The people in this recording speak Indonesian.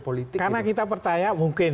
politik karena kita percaya mungkin